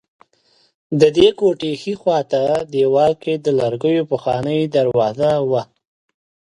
ددې کوټې ښي خوا ته دېوال کې د لرګیو پخوانۍ دروازه وه.